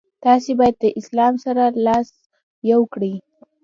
تاسي باید له اسلام سره لاس یو کړئ.